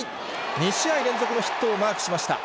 ２試合連続のヒットをマークしました。